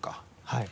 はい。